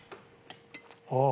ああ。